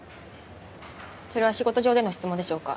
それは仕事上での質問でしょうか？